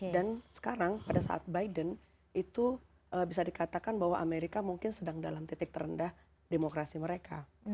dan sekarang pada saat biden itu bisa dikatakan bahwa amerika mungkin sedang dalam titik terendah demokrasi mereka